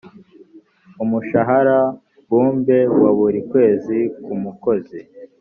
umushahara mbumbe wa buri kwezi ku mukozi